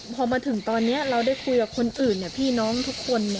พอมาถึงตอนนี้เราได้คุยกับคนอื่นพี่น้องทุกคน